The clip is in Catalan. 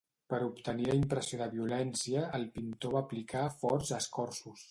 Per obtenir la impressió de violència, el pintor va aplicar forts escorços.